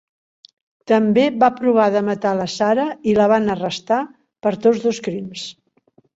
També va provar de matar la Sarah i la van arrestar per tots dos crims.